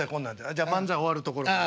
じゃあ漫才終わるところからね。